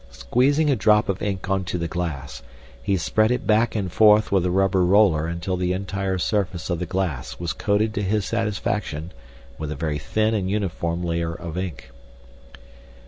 Squeezing a drop of ink onto the glass, he spread it back and forth with the rubber roller until the entire surface of the glass was covered to his satisfaction with a very thin and uniform layer of ink.